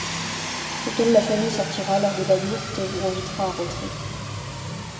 Quelqu'un de la famille sortira alors de la yourte et vous invitera à rentrer.